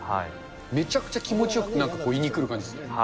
めちゃくちゃ気持ちよく胃にくる感じです。